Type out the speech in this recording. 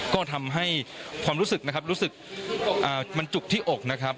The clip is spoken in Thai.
ก็ทำให้ความรู้สึกนะครับรู้สึกมันจุกที่อกนะครับ